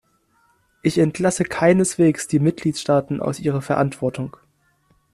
Ich entlasse keineswegs die Mitgliedstaaten aus ihrer Verantwortung!